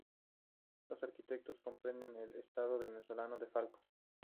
La arquidiócesis comprende el estado venezolano de Falcón.